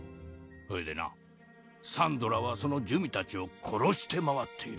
それでなサンドラはその珠魅たちを殺して回っている。